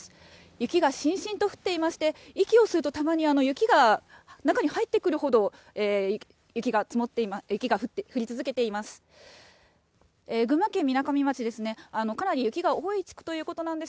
雪がしんしんと降っていまして、息を吸うとたまに雪が中に入ってくるほど、雪が降り続けています。